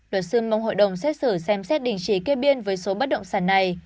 luật sư mong hội đồng xét xử xem xét đình chỉ kê biên với số bất động sản này